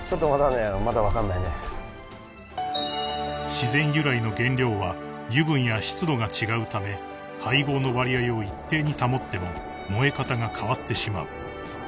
［自然由来の原料は油分や湿度が違うため配合の割合を一定に保っても燃え方が変わってしまう］